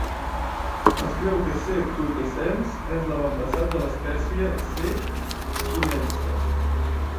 Es creu que "C. frutescens" és l'avantpassat de l'espècie "C. chinense".